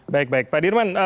baik baik pak dirman